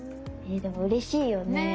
でもうれしいよね。ね。